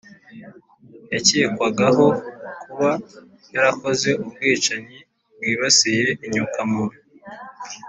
yakekwagaho kuba yarakoze ubwicanyi bwibasiye inyoko muntu.